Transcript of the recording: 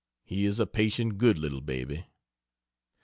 He is a patient, good little baby.